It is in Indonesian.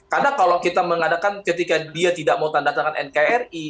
karena kalau kita mengadakan ketika dia tidak mau tandatangan nkri